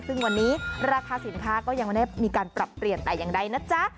ซึ่งวันนี้ราคาสินค้าก็ยังไม่ได้มีการปรับเปลี่ยนแต่อย่างใดนะจ๊ะ